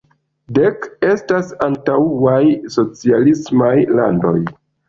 Dek estas antaŭaj socialismaj landoj.